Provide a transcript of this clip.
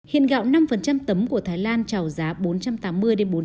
hiện gạo năm tấm của thái lan trào giá bình thường